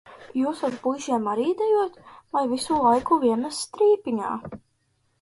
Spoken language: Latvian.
Jūs ar puišiem arī dejojat vai visu laiku vienas strīpiņā?